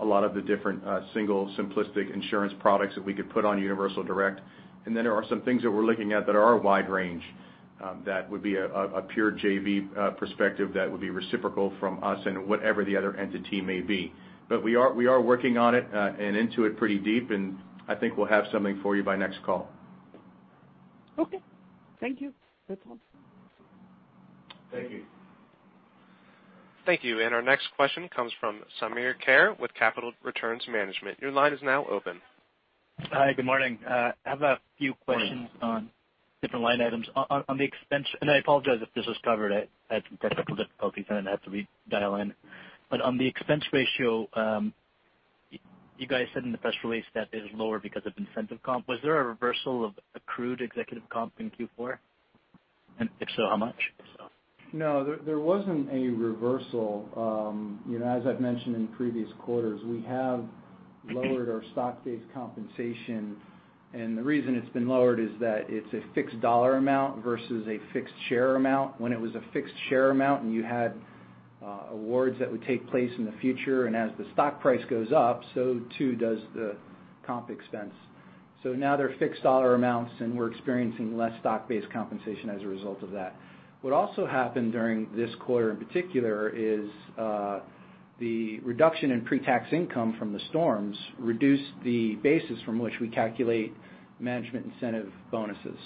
[SPEAKER 3] a lot of the different single simplistic insurance products that we could put on Universal Direct. There are some things that we're looking at that are a wide range, that would be a pure JV perspective that would be reciprocal from us and whatever the other entity may be. We are working on it, into it pretty deep. I think we'll have something for you by next call.
[SPEAKER 8] Okay. Thank you. That's all.
[SPEAKER 3] Thank you.
[SPEAKER 1] Thank you. Our next question comes from Samir Khare with Capital Returns Management. Your line is now open.
[SPEAKER 9] Hi, good morning. I have a few questions on different line items. I apologize if this was covered. I had a couple difficulties, and I had to redial in. On the expense ratio, you guys said in the press release that it is lower because of incentive comp. Was there a reversal of accrued executive comp in Q4? If so, how much?
[SPEAKER 5] No, there wasn't a reversal. As I've mentioned in previous quarters, we have lowered our stock-based compensation, and the reason it's been lowered is that it's a fixed dollar amount versus a fixed share amount. When it was a fixed share amount and you had awards that would take place in the future, and as the stock price goes up, so too does the comp expense. Now they're fixed dollar amounts, and we're experiencing less stock-based compensation as a result of that. What also happened during this quarter in particular is, the reduction in pre-tax income from the storms reduced the basis from which we calculate management incentive bonuses.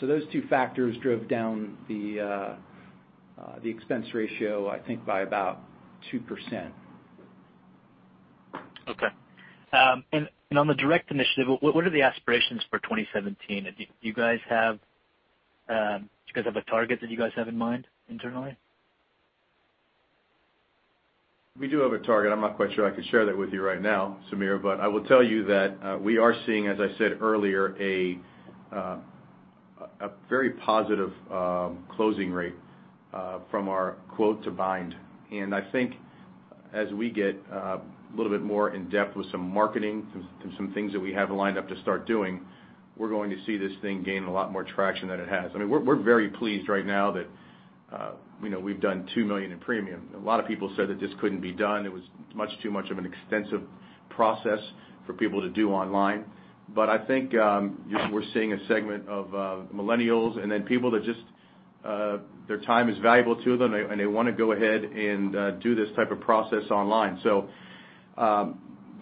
[SPEAKER 5] Those two factors drove down the expense ratio, I think, by about 2%.
[SPEAKER 9] Okay. On the direct initiative, what are the aspirations for 2017? Do you guys have a target that you guys have in mind internally?
[SPEAKER 3] We do have a target. I'm not quite sure I can share that with you right now, Samir, but I will tell you that we are seeing, as I said earlier, a very positive closing rate from our quote to bind. I think as we get a little bit more in depth with some marketing, some things that we have lined up to start doing, we're going to see this thing gain a lot more traction than it has. I mean, we're very pleased right now that we've done $2 million in premium. A lot of people said that this couldn't be done. It was much too much of an extensive process for people to do online. I think we're seeing a segment of millennials and then people that just, their time is valuable to them, and they want to go ahead and do this type of process online.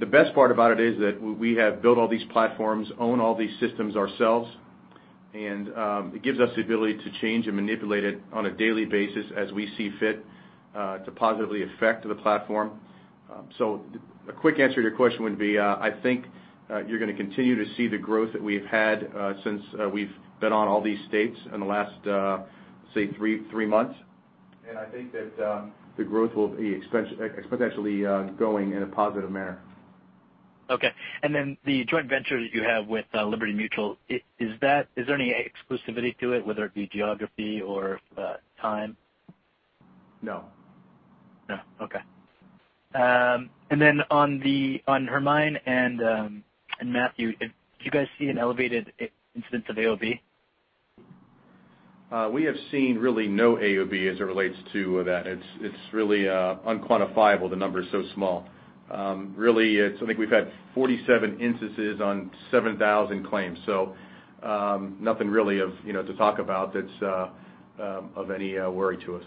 [SPEAKER 3] The best part about it is that we have built all these platforms, own all these systems ourselves, and it gives us the ability to change and manipulate it on a daily basis as we see fit to positively affect the platform. A quick answer to your question would be, I think you're going to continue to see the growth that we've had since we've been on all these states in the last, say, three months. I think that the growth will be exponentially going in a positive manner.
[SPEAKER 9] Okay. Then the joint venture that you have with Liberty Mutual, is there any exclusivity to it, whether it be geography or time?
[SPEAKER 3] No.
[SPEAKER 9] No. Okay. Then on Hurricane Hermine and Hurricane Matthew, do you guys see an elevated incidence of AOB?
[SPEAKER 3] We have seen really no AOB as it relates to that. It's really unquantifiable, the number is so small. Really, I think we've had 47 instances on 7,000 claims. Nothing really to talk about that's of any worry to us.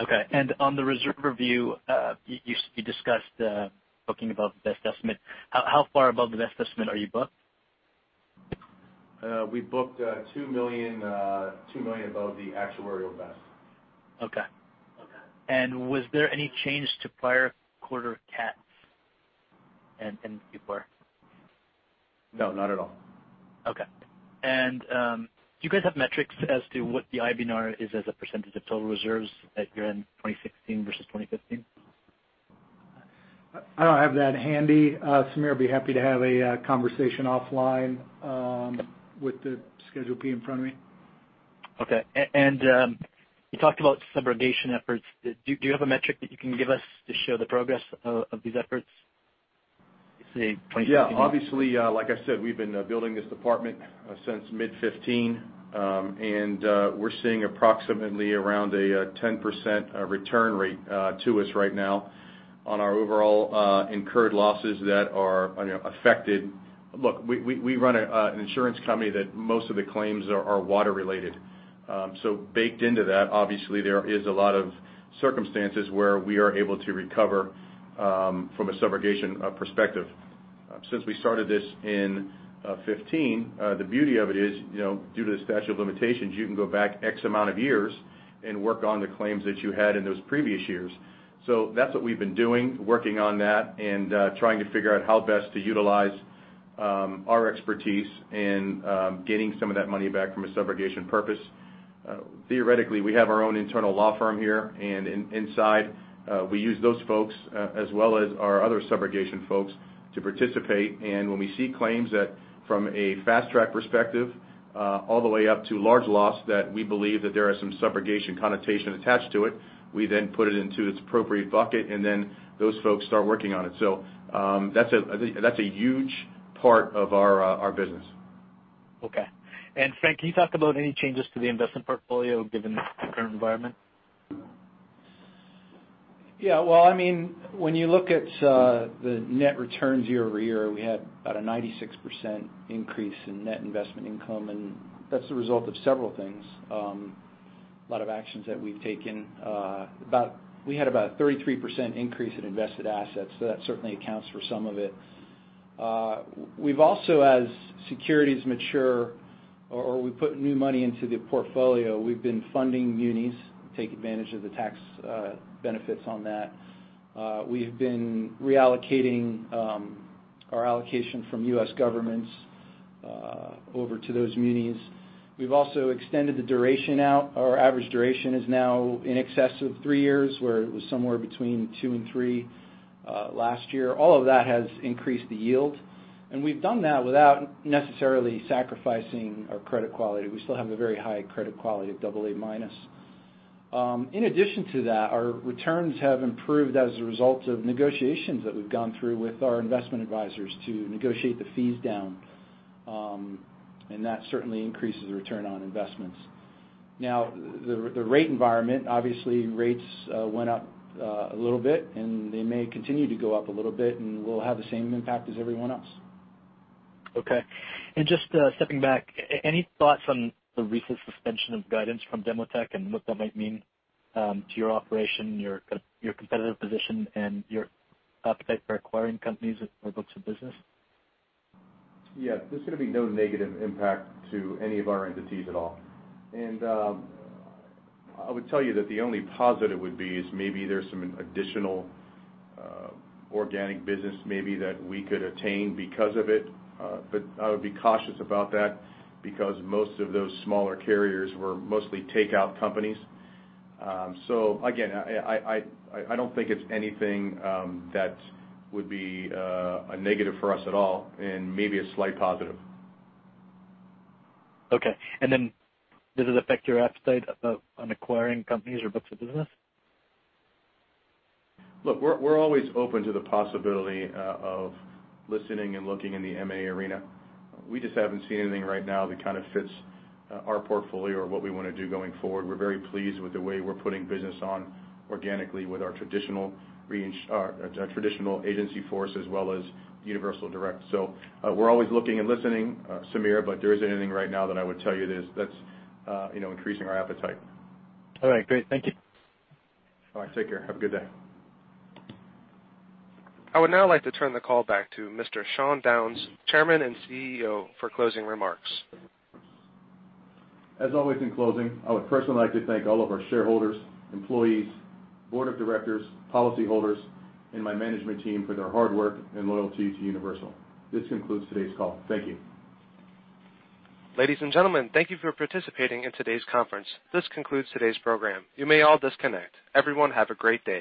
[SPEAKER 9] Okay. On the reserve review, you discussed booking above the best estimate. How far above the best estimate are you booked?
[SPEAKER 3] We booked $2 million above the actuarial best.
[SPEAKER 9] Okay. Was there any change to prior quarter CATs in Q4?
[SPEAKER 3] No, not at all.
[SPEAKER 9] Okay. Do you guys have metrics as to what the IBNR is as a % of total reserves at year-end 2016 versus 2015?
[SPEAKER 5] I don't have that handy, Samir. I'd be happy to have a conversation offline with the Schedule P in front of me.
[SPEAKER 9] Okay. You talked about subrogation efforts. Do you have a metric that you can give us to show the progress of these efforts, say, 2016?
[SPEAKER 3] Yeah. Obviously, like I said, we've been building this department since mid 2015. We're seeing approximately around a 10% return rate to us right now on our overall incurred losses that are affected. Look, we run an insurance company that most of the claims are water-related. Baked into that, obviously, there is a lot of circumstances where we are able to recover from a subrogation perspective. Since we started this in 2015, the beauty of it is, due to the statute of limitations, you can go back X amount of years and work on the claims that you had in those previous years. That's what we've been doing, working on that and trying to figure out how best to utilize our expertise in getting some of that money back from a subrogation purpose. Theoretically, we have our own internal law firm here and inside. We use those folks as well as our other subrogation folks to participate. When we see claims that from a fast track perspective all the way up to large loss that we believe that there are some subrogation connotation attached to it, we then put it into its appropriate bucket, and then those folks start working on it. That's a huge part of our business.
[SPEAKER 9] Okay. And Frank, can you talk about any changes to the investment portfolio given the current environment?
[SPEAKER 5] Well, when you look at the net returns year-over-year, we had about a 96% increase in net investment income, and that's the result of several things. A lot of actions that we've taken. We had about a 33% increase in invested assets, so that certainly accounts for some of it. We've also, as securities mature or we put new money into the portfolio, we've been funding munis to take advantage of the tax benefits on that. We have been reallocating our allocation from U.S. governments over to those munis. We've also extended the duration out. Our average duration is now in excess of three years, where it was somewhere between two and three last year. All of that has increased the yield. We've done that without necessarily sacrificing our credit quality. We still have a very high credit quality of AA-. In addition to that, our returns have improved as a result of negotiations that we've gone through with our investment advisors to negotiate the fees down. That certainly increases the return on investments. Now, the rate environment, obviously rates went up a little bit, and they may continue to go up a little bit, and we'll have the same impact as everyone else.
[SPEAKER 9] Okay. Just stepping back, any thoughts on the recent suspension of guidance from Demotech and what that might mean to your operation, your competitive position, and your appetite for acquiring companies or books of business?
[SPEAKER 3] Yeah. There's going to be no negative impact to any of our entities at all. I would tell you that the only positive would be is maybe there's some additional organic business maybe that we could attain because of it. I would be cautious about that because most of those smaller carriers were mostly takeout companies. Again, I don't think it's anything that would be a negative for us at all, and maybe a slight positive.
[SPEAKER 9] Okay. Does it affect your appetite on acquiring companies or books of business?
[SPEAKER 3] Look, we're always open to the possibility of listening and looking in the M&A arena. We just haven't seen anything right now that kind of fits our portfolio or what we want to do going forward. We're very pleased with the way we're putting business on organically with our traditional agency force as well as Universal Direct. We're always looking and listening, Samir, but there isn't anything right now that I would tell you that's increasing our appetite.
[SPEAKER 9] All right, great. Thank you.
[SPEAKER 3] All right, take care. Have a good day.
[SPEAKER 1] I would now like to turn the call back to Mr. Sean Downes, Chairman and CEO, for closing remarks.
[SPEAKER 3] As always, in closing, I would personally like to thank all of our shareholders, employees, board of directors, policyholders, and my management team for their hard work and loyalty to Universal. This concludes today's call. Thank you.
[SPEAKER 1] Ladies and gentlemen, thank you for participating in today's conference. This concludes today's program. You may all disconnect. Everyone have a great day.